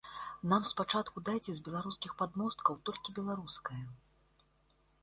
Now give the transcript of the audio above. Нам спачатку дайце з беларускіх падмосткаў толькі беларускае.